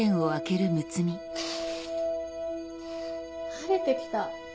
晴れてきた。